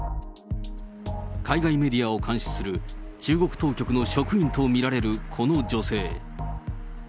海外メディアを監視する、中国当局の職員と見られるこの女性。